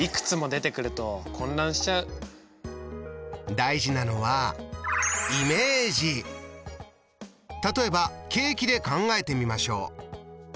大事なのは例えばケーキで考えてみましょう。